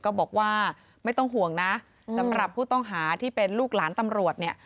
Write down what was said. ก็บอกว่าไม่ต้องห่วงนะสำหรับผู้ต้องหาที่เป็นลูกหลานตำรวจเนี่ย